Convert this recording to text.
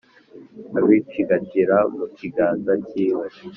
abicigatira mu kiganza cyiwe